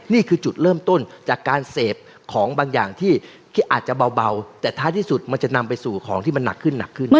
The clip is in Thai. นี่คือจุดเริ่มต้นจากการเสพของบางอย่างที่อาจจะเบาแต่ท้ายที่สุดมันจะนำไปสู่ของที่มันหนักขึ้นหนักขึ้น